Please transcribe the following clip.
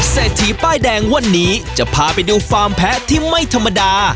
เศรษฐีป้ายแดงวันนี้จะพาไปดูฟาร์มแพ้ที่ไม่ธรรมดา